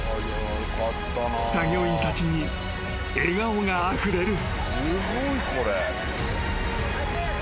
［作業員たちに笑顔があふれる］